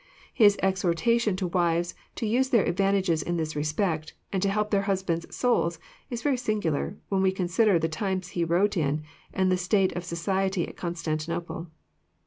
His exhortation to wives to use their advantages in this respect, and to help their husbands' souls, is very singular, when we consider the times he wrote in, and the state of society at Constantinople.